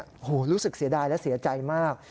โอ้โหรู้สึกเสียดายและเสียใจมาก